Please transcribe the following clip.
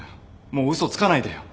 もう嘘つかないでよ。